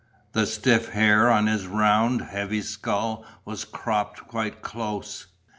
The stiff hair on his round, heavy skull was cropped quite close.